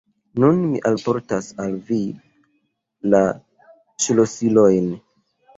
Nun mi alportas al vi la ŝlosilojn!